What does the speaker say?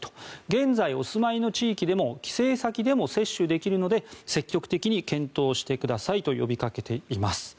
現在お住まいの地域でも帰省先でも接種できるので積極的に検討してくださいと呼びかけています。